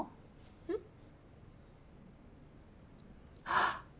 あっ！